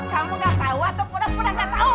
kamu gak tau atau pura pura gak tau